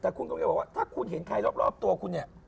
แต่คุณกำลังจะบอกว่าถ้าคุณเห็นใครรอบตัวคุณเนี่ย